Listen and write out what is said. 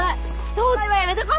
東大はやめとこ！